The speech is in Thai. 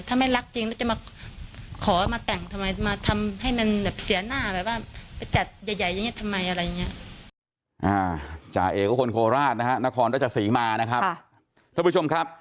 ถ้าไม่รักจริงจะมาขอมาแต่งทำไมมาทำให้มันเสียหน้าแบบว่าแบบทำให้อย่างเงี้ยทำไมอะไรอย่างเงี้ย